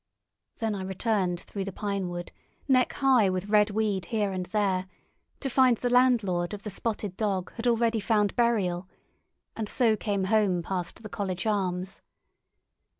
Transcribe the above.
... Then I returned through the pine wood, neck high with red weed here and there, to find the landlord of the Spotted Dog had already found burial, and so came home past the College Arms.